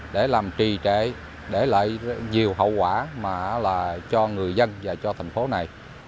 để làm trì trệ để lại nhiều hậu quả mà cho người dân và cho thành phố này